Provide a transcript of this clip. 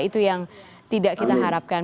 itu yang tidak kita harapkan